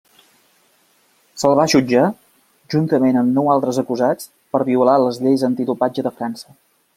Se'l va jutjar, juntament amb nou altres acusats, per violar les lleis antidopatge de França.